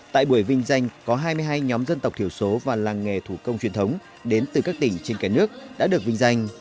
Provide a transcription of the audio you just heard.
tại buổi vinh danh có hai mươi hai nhóm dân tộc thiểu số và làng nghề thủ công truyền thống đến từ các tỉnh trên cả nước đã được vinh danh